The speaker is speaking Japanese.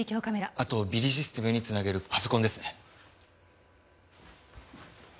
あとＢＩＲＩシステムにつなげるパソコンですね。